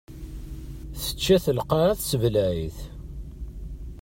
Tečča-t lqaɛa tesbleɛ-it.